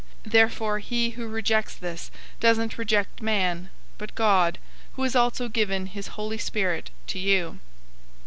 004:008 Therefore he who rejects this doesn't reject man, but God, who has also given his Holy Spirit to you.